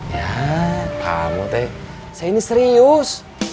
ya kamu teh saya ini serius